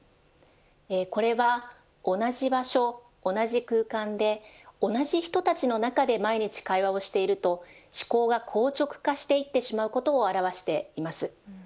これは、同じ場所、同じ空間で同じ人たちの中で毎日会話をしていると思考が硬直化していってしまうことをあらわしています。